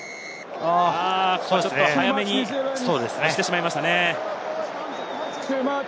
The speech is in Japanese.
ちょっと早めに押してしまいました。